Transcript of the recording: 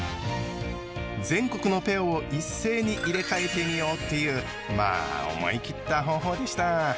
全国のペアを一斉に入れ替えてみようっていうまあ思い切った方法でした。